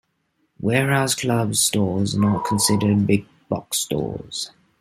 Warehouse club stores are not considered "big-box stores".